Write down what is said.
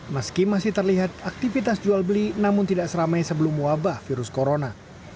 meski masih terlihat aktivitas jual beli namun tidak seramai sebelum wabah virus corona